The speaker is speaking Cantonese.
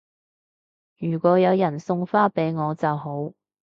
如果有人送花俾我就好